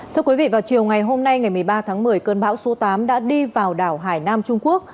thưa quý vị vào chiều ngày hôm nay ngày một mươi ba tháng một mươi cơn bão số tám đã đi vào đảo hải nam trung quốc